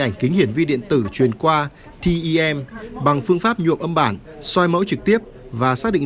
ảnh kính hiển vi điện tử truyền qua tem bằng phương pháp nhuộm âm bản xoay mẫu trực tiếp và xác định